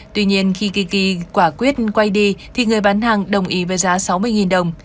tuy nhiên khi tiki quả quyết quay đi thì người bán hàng đồng ý với giá sáu mươi đồng